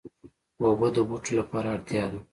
اوبه د بوټو لپاره اړتیا ده.